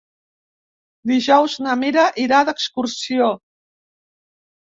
Dijous na Mira irà d'excursió.